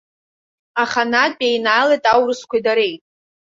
Аханатә еинаалеит аурысқәеи дареи.